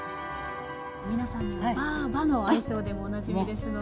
皆さんにもばぁばの愛称でもおなじみですので。